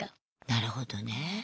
なるほどね。